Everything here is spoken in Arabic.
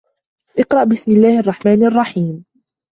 اقْرَأْ بِسْمِ اللَّهِ الرَّحْمَنِ الرَّحِيمِ